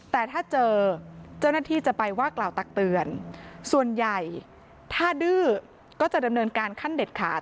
แต่ถ้าเจอเจ้าหน้าที่จะไปว่ากล่าวตักเตือนส่วนใหญ่ถ้าดื้อก็จะดำเนินการขั้นเด็ดขาด